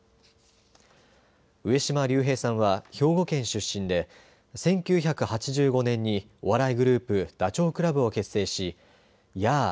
上島竜兵さんは兵庫県出身で１９８５年にお笑いグループ、ダチョウ倶楽部を結成しヤー！